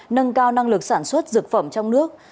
nâng cao năng lực sản xuất dược phẩm trong nước